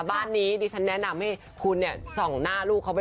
บ้านนี้ดิฉันแนะนำให้คุณเนี่ยส่องหน้าลูกเขาไป